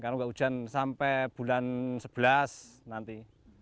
kalau enggak hujan sampai bulan sebelas nanti